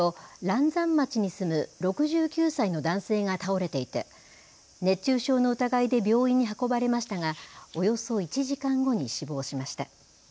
嵐山町に住む６９歳の男性が倒れていて熱中症の疑いで病院に運ばれましたがおよそ１時間後に死亡しました。